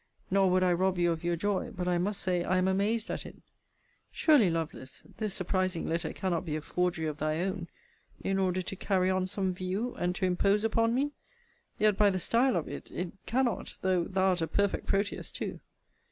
Nor would I rob you of your joy: but I must say I am amazed at it. Surely, Lovelace, this surprising letter cannot be a forgery of thy own, in order to carry on some view, and to impose upon me. Yet, by the style of it, it cannot though thou art a perfect Proteus too.